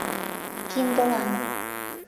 — Киндылан.